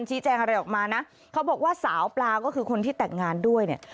แจ้งอะไรออกมานะเขาบอกว่าสาวปลาก็คือคนที่แต่งงานด้วยเนี่ย